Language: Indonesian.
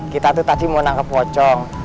kita tuh tadi mau nangkep pocong